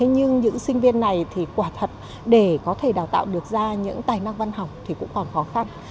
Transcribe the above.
nhưng những sinh viên này thì quả thật để có thể đào tạo được ra những tài năng văn học thì cũng còn khó khăn